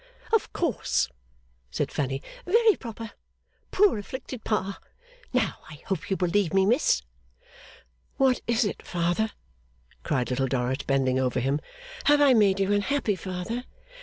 'Of course,' said Fanny. 'Very proper. Poor, afflicted Pa! Now, I hope you believe me, Miss?' 'What is it, father?' cried Little Dorrit, bending over him. 'Have I made you unhappy, father?